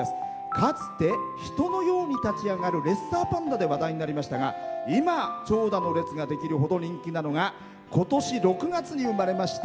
かつて、人のように立ち上がるレッサーパンダで話題になりましたが今、長蛇の列ができるほど人気なのがことし６月に生まれました